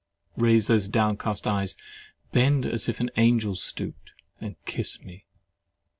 Raise those downcast eyes, bend as if an angel stooped, and kiss me.